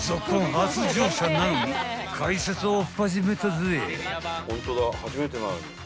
初乗車なのに解説をおっ始めたぜ］